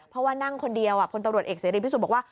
เพราะว่านั่งคนเดียวพนตรวจเอกสีรีย์พิสูจน์บอกว่า